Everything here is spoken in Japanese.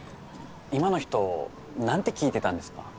今の人何て聞いてたんですか？